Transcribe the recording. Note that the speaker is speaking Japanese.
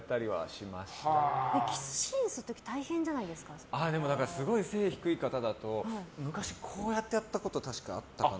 キスシーンする時でもすごい背が低い方だと昔、こうやってやったこと確かあったかな。